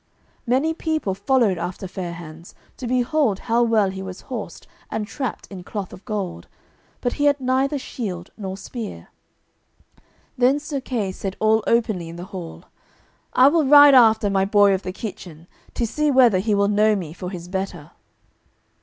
Many people followed after Fair hands to behold how well he was horsed and trapped in cloth of gold, but he had neither shield nor spear. Then Sir Kay said all openly in the hall, "I will ride after my boy of the kitchen, to see whether he will know me for his better."